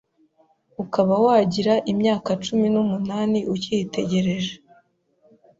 ukaba wagira imyaka cumi nuumunani ukiyitegereje.